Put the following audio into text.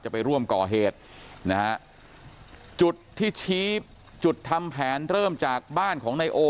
ไปร่วมก่อเหตุนะฮะจุดที่ชี้จุดทำแผนเริ่มจากบ้านของนายโอ